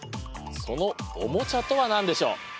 そのおもちゃとは何でしょう？